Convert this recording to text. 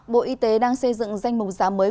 bộ y tế đang xây dựng danh mục giá mới